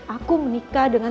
aku menikah dengan